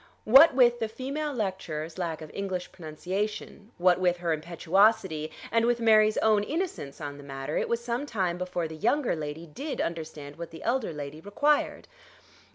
What with the female lecturer's lack of English pronunciation, what with her impetuosity, and with Mary's own innocence on the matter, it was some time before the younger lady did understand what the elder lady required.